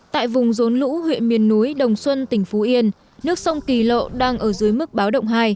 tại vùng rốn lũ huyện miền núi đồng xuân tỉnh phú yên nước sông kỳ lộ đang ở dưới mức báo động hai